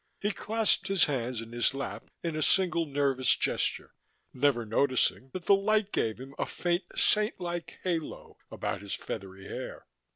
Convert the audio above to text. He clasped his hands in his lap in a single, nervous gesture, never noticing that the light gave him a faint saintlike halo about his feathery hair.